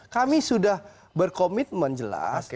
kami sudah berkomitmen jelas